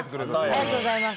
ありがとうございます。